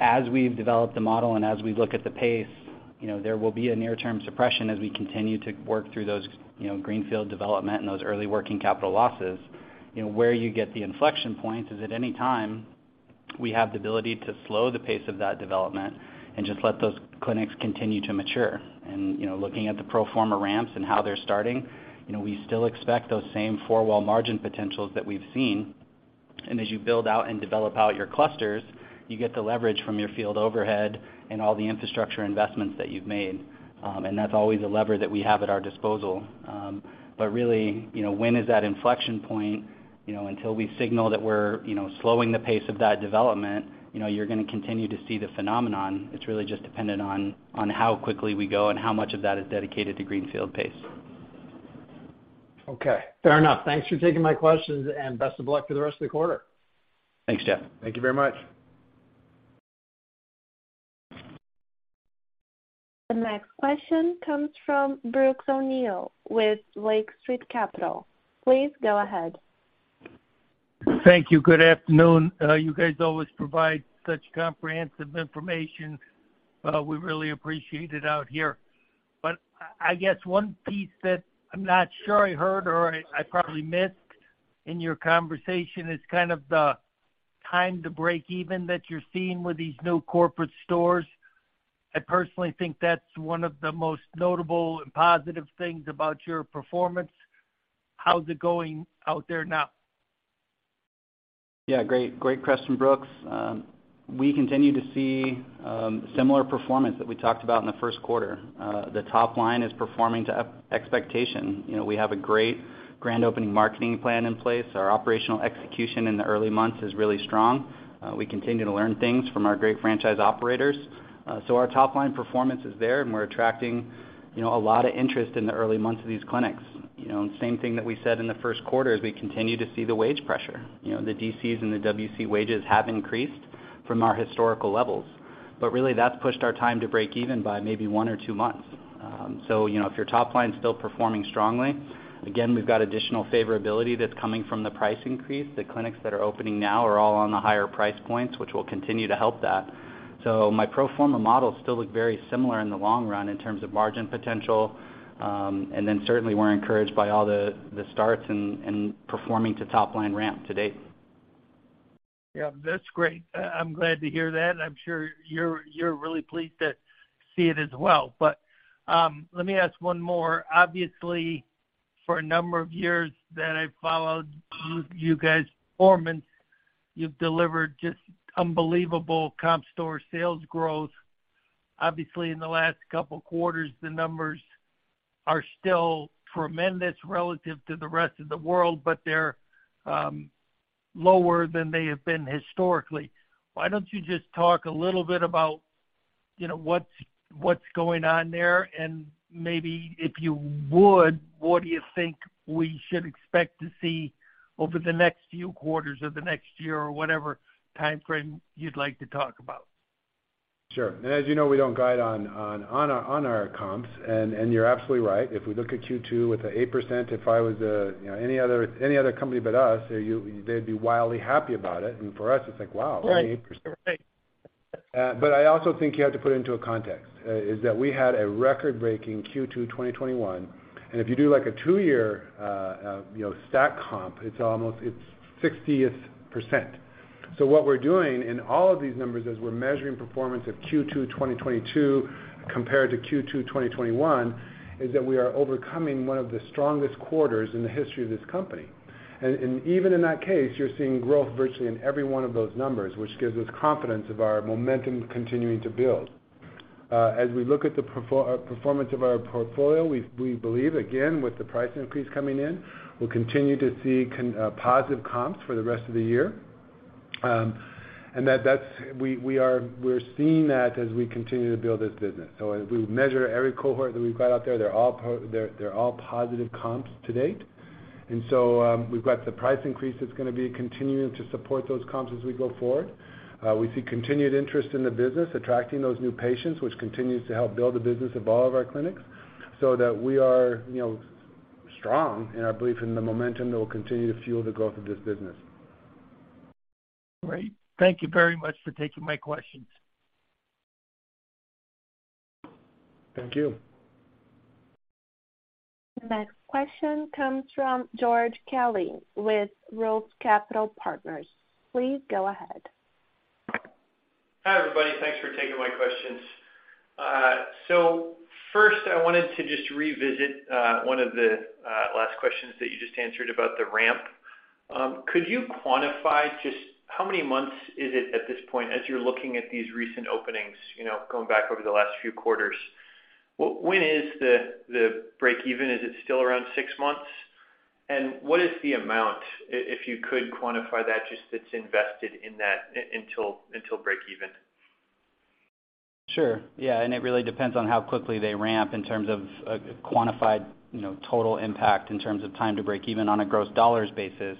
as we've developed the model and as we look at the pace, you know, there will be a near-term suppression as we continue to work through those, you know, greenfield development and those early working capital losses. You know, where you get the inflection point is at any time we have the ability to slow the pace of that development and just let those clinics continue to mature. You know, looking at the pro forma ramps and how they're starting, you know, we still expect those same four-wall margin potentials that we've seen. As you build out and develop out your clusters, you get the leverage from your field overhead and all the infrastructure investments that you've made. That's always a lever that we have at our disposal. Really, you know, when is that inflection point? You know, until we signal that we're, you know, slowing the pace of that development, you know, you're gonna continue to see the phenomenon. It's really just dependent on how quickly we go and how much of that is dedicated to greenfield pace. Okay. Fair enough. Thanks for taking my questions, and best of luck for the rest of the quarter. Thanks, Jeff. Thank you very much. The next question comes from Brooks O'Neil with Lake Street Capital. Please go ahead. Thank you. Good afternoon. You guys always provide such comprehensive information. We really appreciate it out here. I guess one piece that I'm not sure I heard or I probably missed in your conversation is kind of the time to break even that you're seeing with these new corporate stores. I personally think that's one of the most notable and positive things about your performance. How's it going out there now? Yeah, great question, Brooks. We continue to see similar performance that we talked about in the first quarter. The top line is performing to expectation. You know, we have a great grand opening marketing plan in place. Our operational execution in the early months is really strong. We continue to learn things from our great franchise operators. So our top line performance is there, and we're attracting, you know, a lot of interest in the early months of these clinics. You know, same thing that we said in the first quarter is we continue to see the wage pressure. You know, the DCs and the WC wages have increased from our historical levels, but really, that's pushed our time to breakeven by maybe one or two months. You know, if your top line is still performing strongly, again, we've got additional favorability that's coming from the price increase. The clinics that are opening now are all on the higher price points, which will continue to help that. My pro forma models still look very similar in the long run in terms of margin potential. Certainly, we're encouraged by all the starts and performing to top line ramp to date. Yeah, that's great. I'm glad to hear that, and I'm sure you're really pleased to see it as well. Let me ask one more. Obviously, for a number of years that I've followed you guys' performance, you've delivered just unbelievable comp store sales growth. Obviously, in the last couple quarters, the numbers are still tremendous relative to the rest of the world, but they're lower than they have been historically. Why don't you just talk a little bit about, you know, what's going on there, and maybe if you would, what do you think we should expect to see over the next few quarters or the next year or whatever timeframe you'd like to talk about? Sure. As you know, we don't guide on our comps, and you're absolutely right. If we look at Q2 with the 8%, if I was, you know, any other company but us, they'd be wildly happy about it. For us, it's like, wow, only 8%. Right. I also think you have to put it into a context, is that we had a record-breaking Q2 2021. If you do like a two-year, you know, stack comp, it's almost 60%. What we're doing in all of these numbers is we're measuring performance of Q2 2022 compared to Q2 2021, is that we are overcoming one of the strongest quarters in the history of this company. Even in that case, you're seeing growth virtually in every one of those numbers, which gives us confidence of our momentum continuing to build. As we look at the performance of our portfolio, we believe, again, with the price increase coming in, we'll continue to see positive comps for the rest of the year. We're seeing that as we continue to build this business. As we measure every cohort that we've got out there, they're all positive comps to date. We've got the price increase that's gonna be continuing to support those comps as we go forward. We see continued interest in the business, attracting those new patients, which continues to help build the business of all of our clinics so that we are, you know, strong in our belief in the momentum that will continue to fuel the growth of this business. Great. Thank you very much for taking my questions. Thank you. The next question comes from George Kelly with ROTH Capital Partners. Please go ahead. Hi, everybody. Thanks for taking my questions. First, I wanted to just revisit one of the last questions that you just answered about the ramp. Could you quantify just how many months is it at this point as you're looking at these recent openings, you know, going back over the last few quarters? When is the breakeven? Is it still around six months? And what is the amount, if you could quantify that, just that's invested in that until breakeven? Sure. Yeah, it really depends on how quickly they ramp in terms of a quantified, you know, total impact in terms of time to breakeven on a gross dollars basis.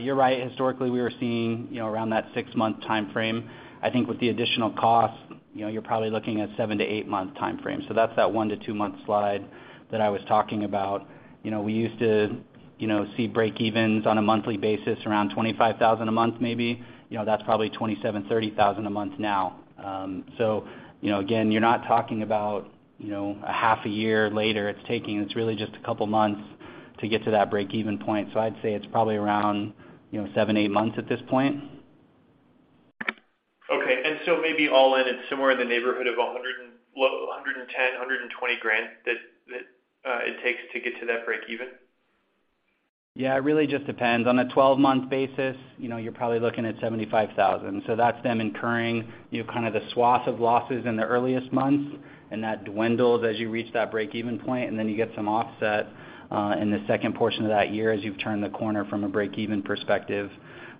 You're right. Historically, we were seeing, you know, around that 6-month timeframe. I think with the additional cost, you know, you're probably looking at 7- to 8-month timeframe. That's that 1- to 2-month slide that I was talking about. You know, we used to, you know, see breakevens on a monthly basis around $25,000 a month maybe. You know, that's probably $27,000-$30,000 a month now. You know, again, you're not talking about, you know, a half a year later it's taking. It's really just a couple of months to get to that breakeven point. I'd say it's probably around, you know, 7-8 months at this point. Okay. Maybe all in, it's somewhere in the neighborhood of $110,000-$120,000 that it takes to get to that breakeven? Yeah, it really just depends. On a twelve-month basis, you know, you're probably looking at $75,000. So that's them incurring, you know, kind of the swath of losses in the earliest months, and that dwindles as you reach that breakeven point, and then you get some offset, in the second portion of that year as you've turned the corner from a breakeven perspective.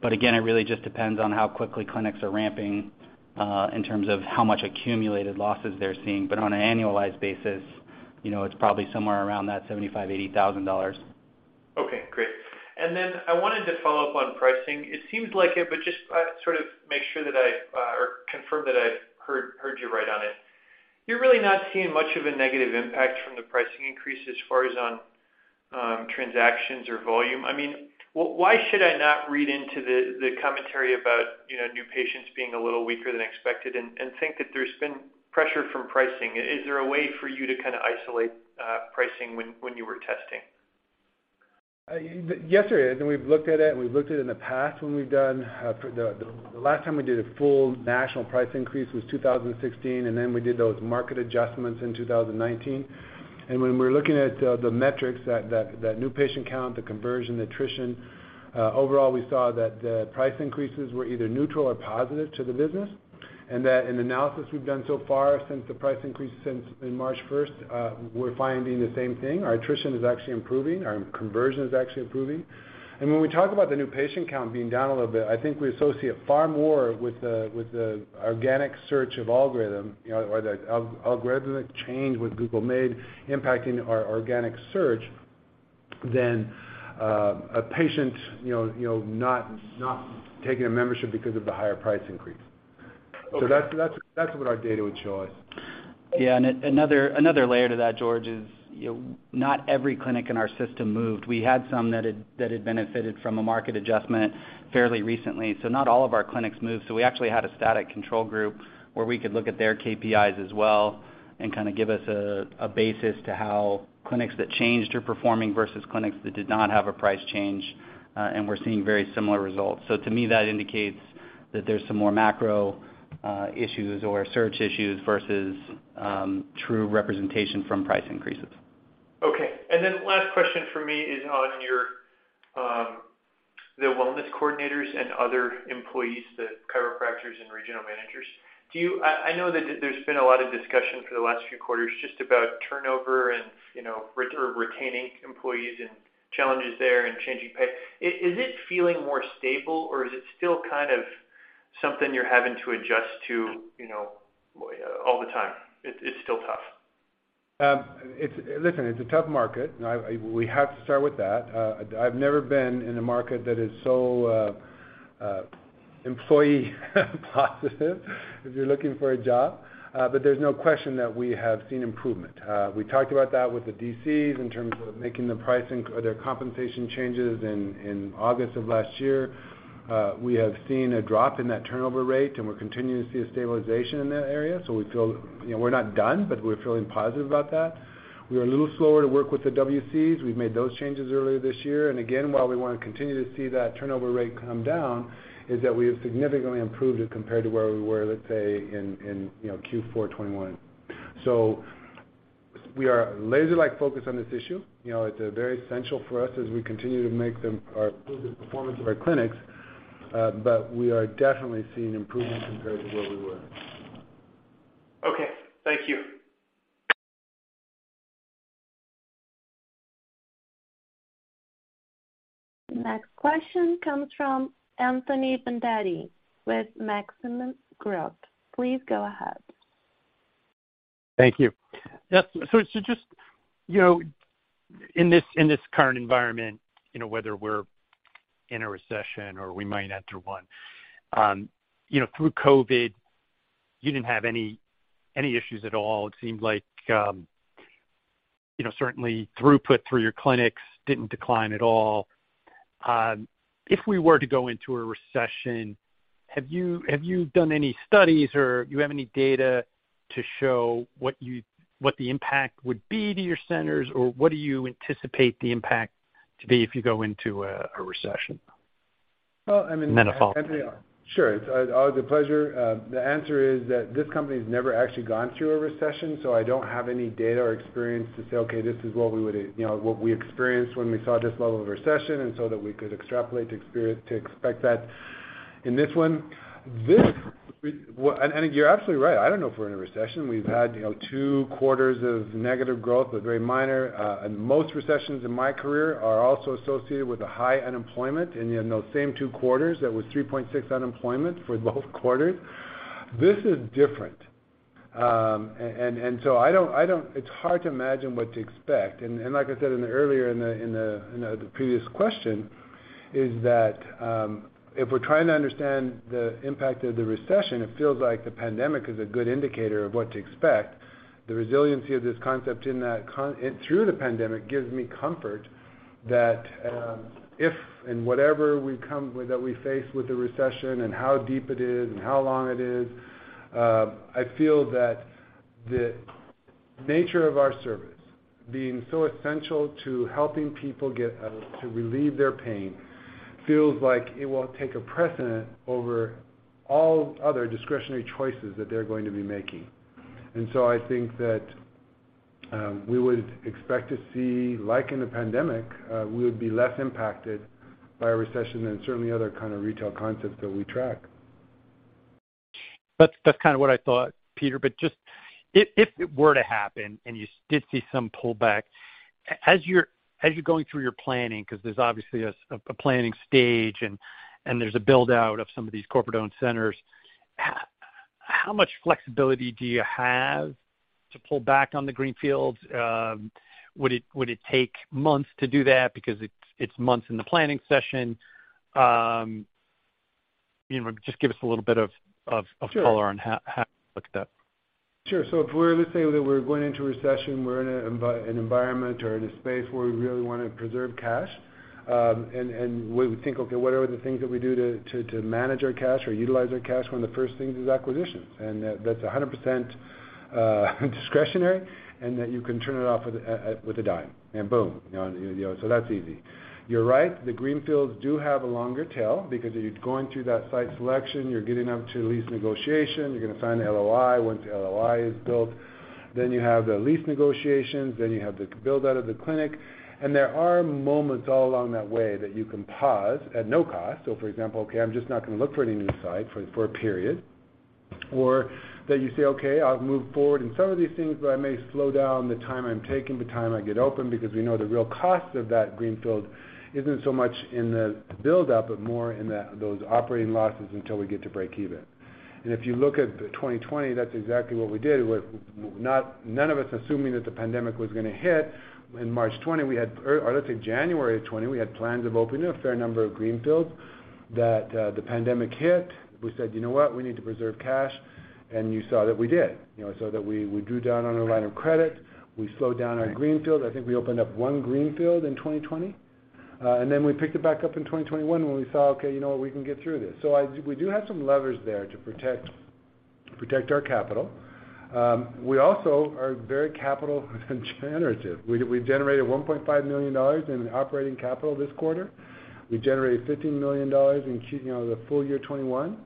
But again, it really just depends on how quickly clinics are ramping, in terms of how much accumulated losses they're seeing. But on an annualized basis, you know, it's probably somewhere around that $75,000-$80,000. Okay, great. Then I wanted to follow up on pricing. It seems like it, but just sort of make sure that I or confirm that I've heard you right on it. You're really not seeing much of a negative impact from the pricing increase as far as on transactions or volume. I mean, why should I not read into the commentary about, you know, new patients being a little weaker than expected and think that there's been pressure from pricing? Is there a way for you to kinda isolate pricing when you were testing? Yesterday, we've looked at it in the past when we've done for the last time we did a full national price increase was 2016, and then we did those market adjustments in 2019. When we're looking at the metrics that new patient count, the conversion, the attrition overall, we saw that the price increases were either neutral or positive to the business, and that in the analysis we've done so far since the price increase in March 1, we're finding the same thing. Our attrition is actually improving. Our conversion is actually improving. When we talk about the new patient count being down a little bit, I think we associate far more with the organic search algorithm, you know, or the algorithm change that Google made impacting our organic search than a patient, you know, not taking a membership because of the higher price increase. Okay. That's what our data would show us. Yeah. Another layer to that, George, is you know not every clinic in our system moved. We had some that had benefited from a market adjustment fairly recently. Not all of our clinics moved, so we actually had a static control group where we could look at their KPIs as well and kind of give us a basis to how clinics that changed are performing versus clinics that did not have a price change, and we're seeing very similar results. To me, that indicates that there's some more macro issues or search issues versus true representation from price increases. Okay. Last question from me is on your, the Wellness Coordinators and other employees, the chiropractors and regional managers. I know that there's been a lot of discussion for the last few quarters just about turnover and, you know, retaining employees and challenges there and changing pay. Is it feeling more stable, or is it still kind of something you're having to adjust to, you know, all the time? It's still tough. Listen, it's a tough market. Now we have to start with that. I've never been in a market that is so employee positive if you're looking for a job, but there's no question that we have seen improvement. We talked about that with the DCs in terms of making the pricing or their compensation changes in August of last year. We have seen a drop in that turnover rate, and we're continuing to see a stabilization in that area, so we feel you know, we're not done, but we're feeling positive about that. We're a little slower to work with the WCs. We've made those changes earlier this year. Again, while we wanna continue to see that turnover rate come down, is that we have significantly improved it compared to where we were, let's say, in Q4 2021. We are laser-like focused on this issue. It's very essential for us as we continue to improve the performance of our clinics, but we are definitely seeing improvement compared to where we were. Okay. Thank you. Next question comes from Anthony Vendetti with Maxim Group. Please go ahead. Thank you. Yes, just you know in this current environment you know whether we're in a recession or we might enter one you know through COVID you didn't have any issues at all. It seemed like you know certainly throughput through your clinics didn't decline at all. If we were to go into a recession have you done any studies or do you have any data to show what the impact would be to your centers? What do you anticipate the impact to be if you go into a recession? Well, I mean. Metaphorically. Sure. It's always a pleasure. The answer is that this company's never actually gone through a recession, so I don't have any data or experience to say, "Okay, this is what we would've, you know, what we experienced when we saw this level of recession," and so that we could extrapolate to expect that in this one. Well, you're absolutely right. I don't know if we're in a recession. We've had, you know, two quarters of negative growth, but very minor. Most recessions in my career are also associated with a high unemployment. In those same two quarters, that was 3.6% unemployment for both quarters. This is different. I don't. It's hard to imagine what to expect. Like I said earlier in the you know the previous question, is that if we're trying to understand the impact of the recession, it feels like the pandemic is a good indicator of what to expect. The resiliency of this concept through the pandemic gives me comfort that if and whatever we come with that we face with the recession and how deep it is and how long it is, I feel that the nature of our service being so essential to helping people get to relieve their pain feels like it will take precedence over all other discretionary choices that they're going to be making. I think that we would expect to see, like in the pandemic, we would be less impacted by a recession than certainly other kind of retail concepts that we track. That's kind of what I thought, Peter. Just if it were to happen, and you did see some pullback, as you're going through your planning, because there's obviously a planning stage and there's a build-out of some of these corporate-owned centers, how much flexibility do you have to pull back on the greenfields? Would it take months to do that because it's months in the planning session? You know, just give us a little bit of color. Sure. On how you look at that. Sure. Let's say that we're going into a recession, we're in an environment or in a space where we really wanna preserve cash, and we would think, okay, what are the things that we do to manage our cash or utilize our cash? One of the first things is acquisitions. That's 100% discretionary. That you can turn it off with a dime, and boom. You know, so that's easy. You're right, the greenfields do have a longer tail because you're going through that site selection, you're getting up to lease negotiation, you're gonna sign the LOI. Once the LOI is built, then you have the lease negotiations, then you have the build-out of the clinic. There are moments all along that way that you can pause at no cost. For example, okay, I'm just not gonna look for any new site for a period. Or that you say, "Okay, I'll move forward in some of these things, but I may slow down the time I'm taking, the time I get open," because we know the real cost of that greenfield isn't so much in the build-up, but more in those operating losses until we get to breakeven. If you look at 2020, that's exactly what we did, with none of us assuming that the pandemic was gonna hit. In March 2020, or let's say January of 2020, we had plans of opening a fair number of greenfields. The pandemic hit. We said, "You know what? We need to preserve cash." You saw that we did. You know, so that we drew down on our line of credit. We slowed down on greenfield. I think we opened up one greenfield in 2020. We picked it back up in 2021 when we saw, okay, you know what? We can get through this. We do have some levers there to protect our capital. We also are very capital generative. We generated $1.5 million in operating capital this quarter. We generated $15 million you know, the full year 2021.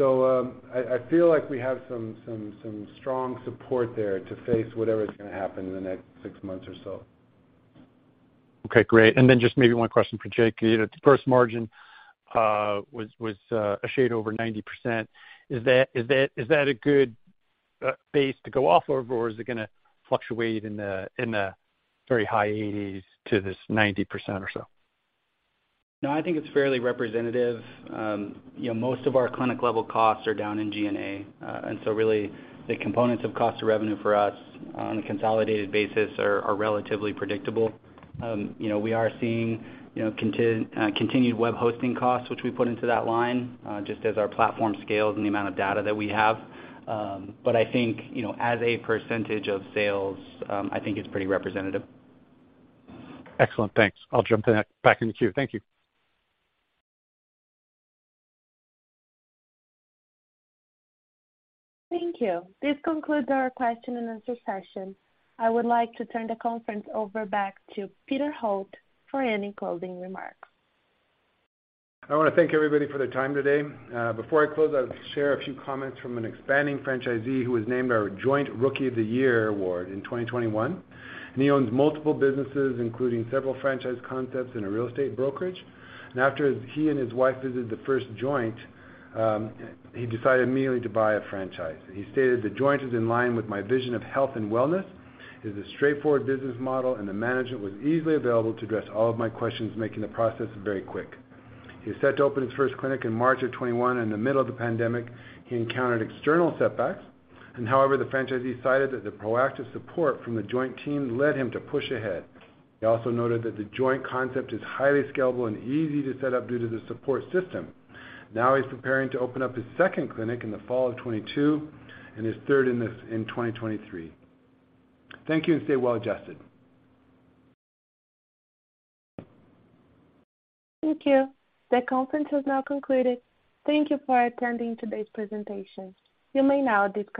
I feel like we have some strong support there to face whatever is gonna happen in the next six months or so. Okay, great. Just maybe one question for Jake. You know, the first margin was a shade over 90%. Is that a good base to go off of, or is it gonna fluctuate in the very high 80s to this 90% or so? No, I think it's fairly representative. You know, most of our clinic level costs are down in G&A. Really the components of cost of revenue for us on a consolidated basis are relatively predictable. You know, we are seeing continued web hosting costs, which we put into that line, just as our platform scales and the amount of data that we have. But I think, you know, as a percentage of sales, I think it's pretty representative. Excellent. Thanks. I'll jump in back in the queue. Thank you. Thank you. This concludes our question and answer session. I would like to turn the conference over back to Peter Holt for any closing remarks. I wanna thank everybody for their time today. Before I close, I'll share a few comments from an expanding franchisee who was named our Joint Rookie of the Year award in 2021. He owns multiple businesses, including several franchise concepts and a real estate brokerage. After he and his wife visited the first Joint, he decided immediately to buy a franchise. He stated, "The Joint is in line with my vision of health and wellness, is a straightforward business model, and the management was easily available to address all of my questions, making the process very quick." He was set to open his first clinic in March of 2021. In the middle of the pandemic, he encountered external setbacks. However, the franchisee decided that the proactive support from the Joint team led him to push ahead. He also noted that The Joint concept is highly scalable and easy to set up due to the support system. Now he's preparing to open up his second clinic in the fall of 2022 and his third in 2023. Thank you, and stay well adjusted. Thank you. The conference has now concluded. Thank you for attending today's presentation. You may now disconnect.